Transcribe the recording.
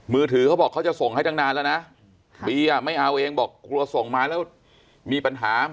มือถือเขาบอกเขาจะส่งให้ตั้งนานแล้วนะบีอ่ะไม่เอาเองบอกกลัวส่งมาแล้วมีปัญหา